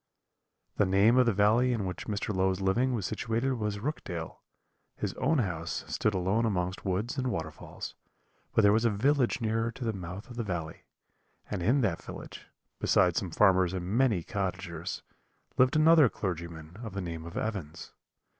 "The name of the valley in which Mr. Low's living was situated was Rookdale; his own house stood alone amongst woods and waterfalls, but there was a village nearer to the mouth of the valley, and in that village, besides some farmers and many cottagers, lived another clergyman of the name of Evans.